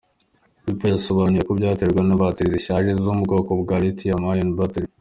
Apple yasobanuye ko byaterwaga na batiri zishaje zo mu bwoko bwa Lithium Ion Battery.